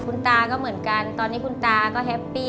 คุณตาก็เหมือนกันตอนนี้คุณตาก็แฮปปี้